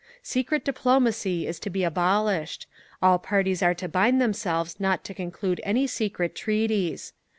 Secret diplomacy is to be abolished; all parties are to bind themselves not to conclude any secret treaties.